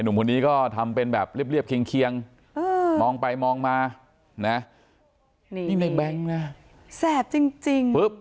ไอ้หนุ่มคนนี้ก็ทำเป็นแบบเรียบเคียงมองไปมองมานี่แบงค์นะแซ่บจริง